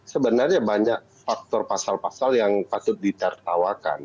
sebenarnya banyak faktor pasal pasal yang patut ditertawakan